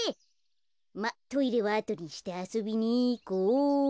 まあトイレはあとにしてあそびにいこうっと。